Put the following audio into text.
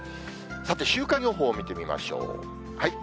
さて、週間予報を見てみましょう。